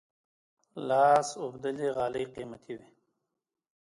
لاس اوبدلي غالۍ قیمتي وي.